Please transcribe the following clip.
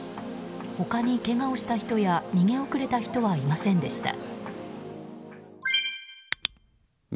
他にけがをした人や逃げ遅れた人はいませんでした。